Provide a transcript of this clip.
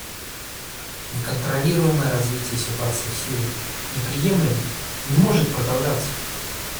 Неконтролируемое развитие ситуации в Сирии неприемлемо и не может продолжаться.